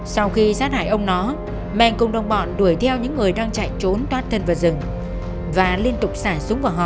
sau khi sát hại ông nó màng cùng đồng bọn đuổi theo những mấy người đang chạy trốn toát thật vào rừng và fulfill lần lại đi xả súng vòng họ